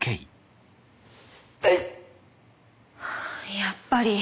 やっぱり。